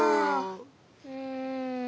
うん。